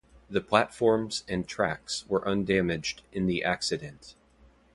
The platforms and tracks were undamaged in the accident.